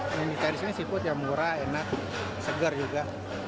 yang di sini seafoodnya murah enak segar juga